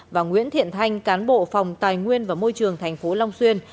và nguyễn thiện thanh cán bộ phòng tài nguyên và môi trường tp long xuyên